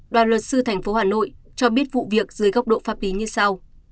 đoàn luật sư thành phố hà nội cho biết vụ việc dưới góc độ pháp lý như sau